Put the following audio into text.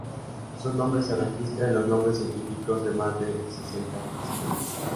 Su nombre se registra en los nombres científicos de más de sesenta especies.